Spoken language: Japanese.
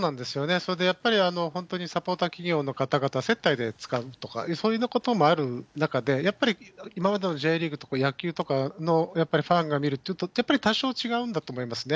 それでやっぱり、本当にサポーター企業の方々接待で使うとか、そういうこともある中で、やっぱり今までのＪリーグとか野球とかの、やっぱりファンが見るのと、やっぱり多少違うんだと思いますね。